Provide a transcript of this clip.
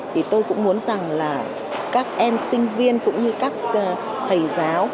thì tôi cũng muốn rằng là các em sinh viên cũng như các thầy giáo